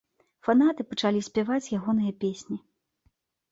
Фанаты пачалі спяваць ягоныя песні.